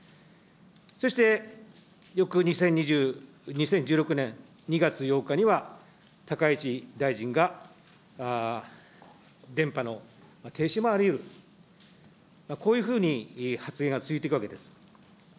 そして翌２０１６年２月８日には、高市大臣が、電波の停止もありうると、こういうふうに発言が続いていくわけです。